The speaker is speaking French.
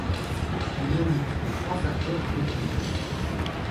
Il indique les trois facteurs à retenir.